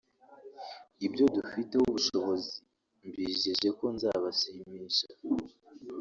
ibyo dufiteho ubushobozi mbijeje ko nzabashimisha